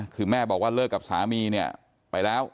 คือแม่บอกว่าเลิกกับสามีเนี่ยไปแล้ว